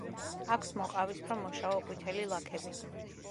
აქვს მოყავისფრო-მოშავო ყვითელი ლაქები.